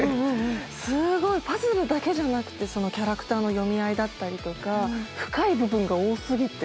すごいパズルだけじゃなくてキャラクターの読み合いだったりとか深い部分が多すぎて。